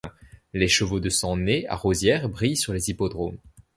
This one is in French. Les chevaux de sang nés à Rosières brillent sur les hippodromes.